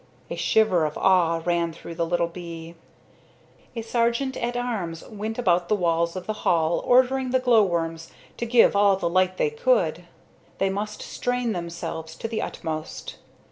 A shiver of awe ran through the little bee. A sergeant at arms went about the walls of the hall ordering the glow worms to give all the light they could; they must strain themselves to the utmost.